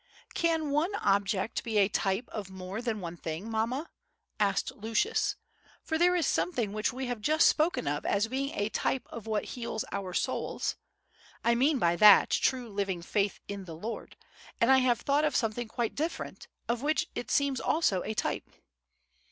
"CAN one object be a type of more than one thing, mamma?" asked Lucius, "for there is something which we have just spoken of as being a type of what heals our souls—I mean by that, true living faith in the Lord; and I have thought of something quite different, of which it seems also a type."